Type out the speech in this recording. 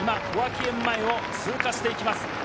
小涌園前を通過してきます。